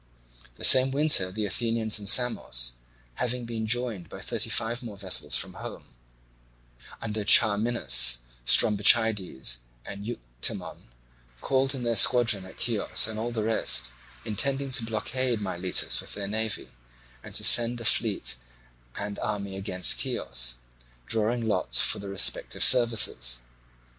The same winter the Athenians in Samos, having been joined by thirty five more vessels from home under Charminus, Strombichides, and Euctemon, called in their squadron at Chios and all the rest, intending to blockade Miletus with their navy, and to send a fleet and an army against Chios; drawing lots for the respective services.